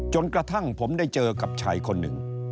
จนกระทั่งผมได้เจอกับชายคนหนึ่ง